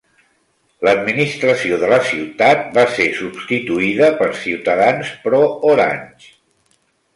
L'administració de la ciutat va ser substituïda per ciutadans pro-Orange.